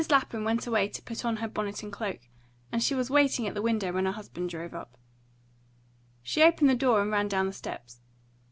LAPHAM went away to put on her bonnet and cloak, and she was waiting at the window when her husband drove up. She opened the door and ran down the steps.